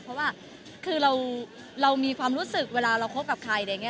เพราะว่าคือเรามีความรู้สึกเวลาเราคบกับใครอะไรอย่างนี้